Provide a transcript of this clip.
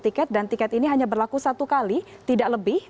tiket dan tiket ini hanya berlaku satu kali tidak lebih